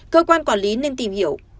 cơ quan quản lý nên tìm hiểu